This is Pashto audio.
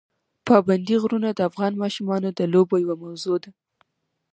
پابندي غرونه د افغان ماشومانو د لوبو یوه موضوع ده.